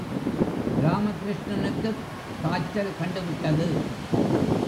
இராமகிருஷ்ணனுக்குக் காய்ச்சல் கண்டுவிட்டது.